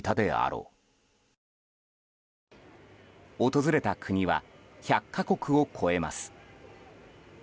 訪れた国は１００か国を超えます。